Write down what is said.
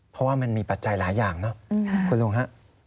เพราะว่ามันมีปัจจัยหลายอย่างเนอะคุณลุงฮะ